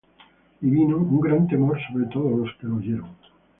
Y vino un gran temor sobre todos los que lo oyeron.